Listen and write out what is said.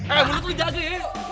eh mulut lo jaga ya yuk